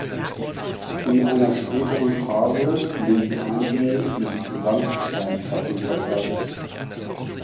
In einer späteren Phase sind die Eingänge mit Sandsteinplatten verkleidet.